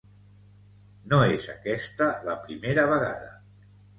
No és aquesta la primera vegada.